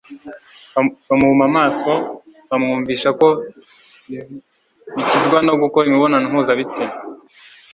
bamuhuma amaso bamwumvisha ko bikizwa no gukora imibonano mpuzabitsina